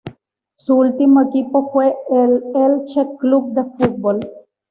Su último equipo fue el Elche Club de Fútbol.